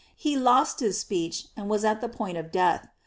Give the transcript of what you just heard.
He lost hif speech, and was at the point of death.